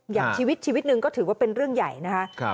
อย่างชีวิตชีวิตหนึ่งก็ถือว่าเป็นเรื่องใหญ่นะคะ